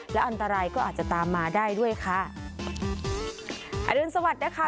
และอันตรายก็อาจจะตามมาได้ด้วยค่ะอรุณสวัสดิ์นะคะ